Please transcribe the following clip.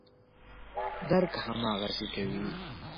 درک هماغسې کوي.